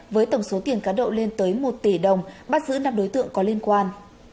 với tổng số tiền cá độ lên tới một tỷ đồng bắt giữ năm đối tượng có liên quan